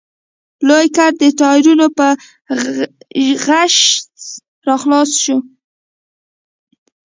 لوی ګټ د ټايرونو په غژس راخلاص شو.